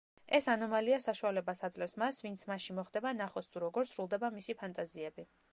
ეს ანომალია საშუალებას აძლევს მას ვინც მასში მოხდება ნახოს თუ როგორ სრულდება მისი ფანტაზიები.